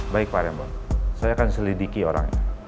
baik pak remo saya akan selidiki orangnya